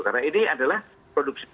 karena ini adalah produksi